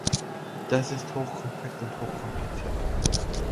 Das ist hochkomplex und hochkompliziert.